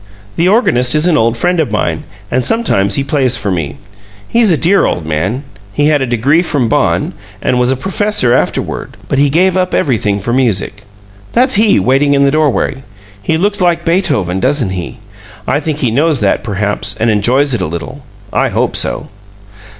The organist is an old friend of mine, and sometimes he plays for me. He's a dear old man. He had a degree from Bonn, and was a professor afterward, but he gave up everything for music. That's he, waiting in the doorway. He looks like Beethoven, doesn't he? I think he knows that, perhaps and enjoys it a little. I hope so."